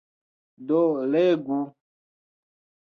Do, legu!